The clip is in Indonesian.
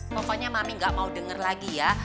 pokoknya mami gak mau denger lagi ya